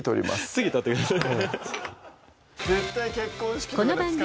次取ってください